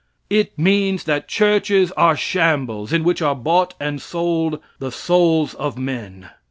It means that churches are shambles in which are bought and sold the souls of men.